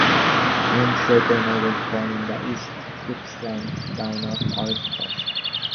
Lindsay Tanner was born in the East Gippsland town of Orbost.